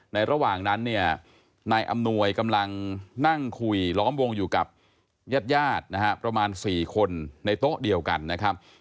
ระหว่างนั้นเนี่ยนายอำนวยกำลังนั่งคุยล้อมวงอยู่กับญาติญาตินะฮะประมาณ๔คนในโต๊ะเดียวกันนะครับ